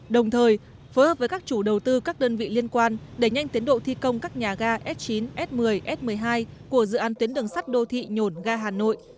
đồng thời phối hợp với các chủ đầu tư các đơn vị liên quan đẩy nhanh tiến độ thi công các nhà ga s chín s một mươi s một mươi hai của dự án tuyến đường sắt đô thị nhổn ga hà nội